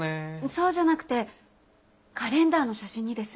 そうじゃなくてカレンダーの写真にです。